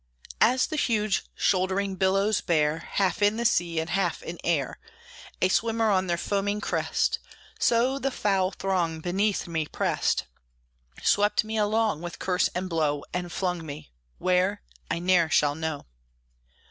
As the huge shouldering billows bear, Half in the sea and half in air, A swimmer on their foaming crest, So the foul throng beneath me pressed, Swept me along, with curse and blow, And flung me where, I ne'er shall know.